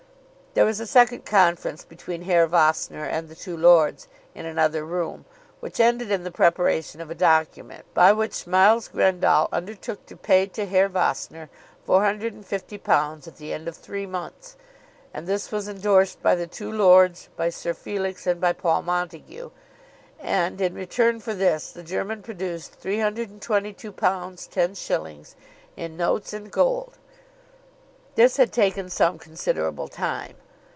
There was a second conference between Herr Vossner and the two lords in another room, which ended in the preparation of a document by which Miles Grendall undertook to pay to Herr Vossner £450 at the end of three months, and this was endorsed by the two lords, by Sir Felix, and by Paul Montague; and in return for this the German produced £322 10_s._ in notes and gold. This had taken some considerable time.